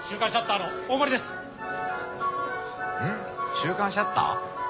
『週刊シャッター』？